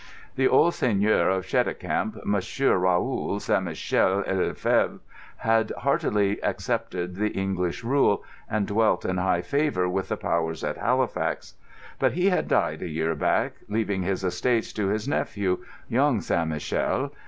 The old Seigneur of Cheticamp, Monsieur Raoul St. Michel le Fevre, had heartily accepted the English rule, and dwelt in high favour with the powers at Halifax. But he had died a year back, leaving his estates to his nephew, young St. Michel.